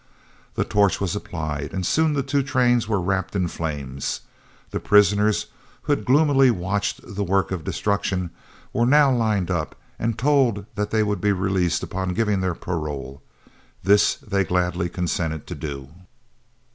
The torch was applied, and soon the two trains were wrapped in flames. The prisoners, who had gloomily watched the work of destruction, were now lined up, and told that they would be released upon their giving their parole. This they gladly consented to do.